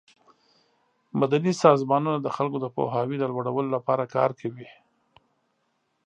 مدني سازمانونه د خلکو د پوهاوي د لوړولو لپاره کار کوي.